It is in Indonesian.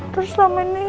terus selama ini